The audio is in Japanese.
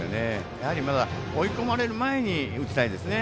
やはりまだ追い込まれる前に打ちたいですね。